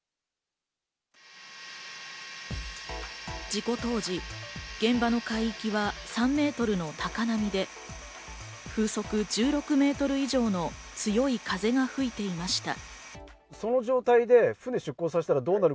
事故当時、現場の海域は３メートルの高波で、風速１６メートル以上の強い風が吹いていました。